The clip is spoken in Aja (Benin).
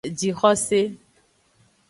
Jixose.